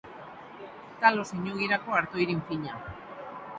Talo zein ogirako arto irin fina.